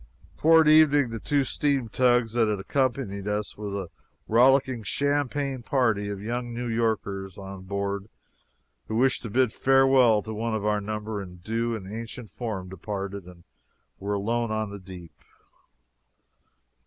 Toward evening the two steam tugs that had accompanied us with a rollicking champagne party of young New Yorkers on board who wished to bid farewell to one of our number in due and ancient form departed, and we were alone on the deep.